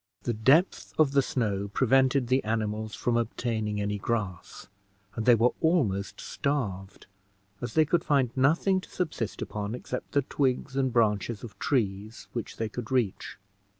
The depth of the snow prevented the animals from obtaining any grass, and they were almost starved, as they could find nothing to subsist upon except the twigs and branches of trees which they could reach.